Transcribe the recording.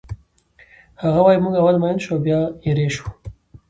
هغه وایی موږ اول مین شو او بیا ایرې شو